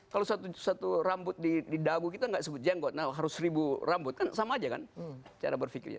kalau satu satu rambut di dagu kita gak sebut jenggot harus ribu rambut kan sama aja kan cara berpikirnya